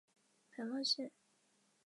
白茂线